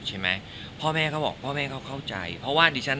ใช่ไหมพ่อแม่เขาบอกพ่อแม่เขาเข้าใจเพราะว่าดิฉัน